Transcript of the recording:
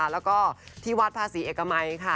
แล้วก็ที่วัดภาษีเอกมัยค่ะ